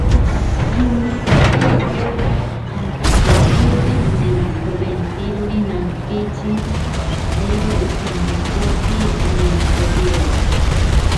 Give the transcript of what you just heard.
Está influida por las respectivas políticas instrumentales monetaria, fiscal y laboral de la administración.